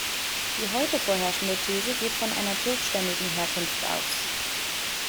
Die heute vorherrschende These geht von einer turkstämmigen Herkunft aus.